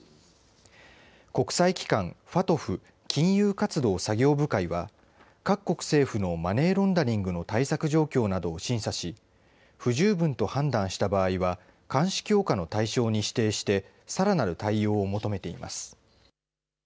国際機関ＦＡＴＦ＝金融活動作業部会は各国政府のマネーロンダリングの対策状況などを審査し不十分と判断した場合は監視強化の対象に指定してさらなる対応を求めています。